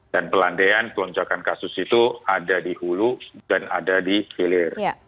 dan pelandaian peluncakan kasus itu ada di hulu dan ada di filir